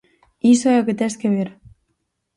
Iso é o que tes que ver.